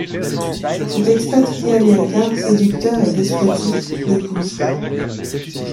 Cet expatrié américain, séducteur et despotique, l'épouse.